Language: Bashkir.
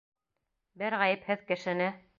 Бер ғәйепһеҙ кешене.